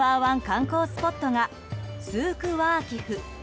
観光スポットがスーク・ワーキフ。